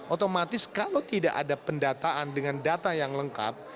otomatis kalau tidak ada pendataan dengan data yang lengkap